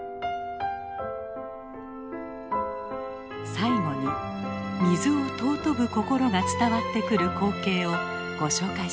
最後に水を尊ぶ心が伝わってくる光景をご紹介しましょう。